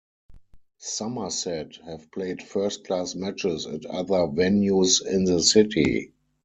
Somerset have played first-class matches at other venues in the city.